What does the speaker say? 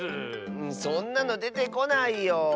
そんなのでてこないよ。